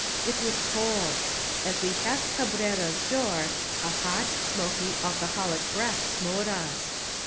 It was cold. As we passed Cabrera's door a hot, smoky, alcoholic breath smote us.